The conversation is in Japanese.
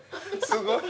すごい。